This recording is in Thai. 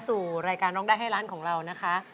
สู่รายการร้องได้ให้ร้านของเรานะคะ